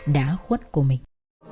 đã khuất của mình